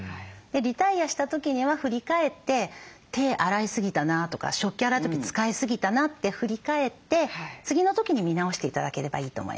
リタイアした時には振り返って「手洗いすぎたな」とか「食器洗う時使いすぎたな」って振り返って次の時に見直して頂ければいいと思います。